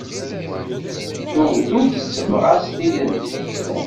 Tugdut tessebɣas tilelli.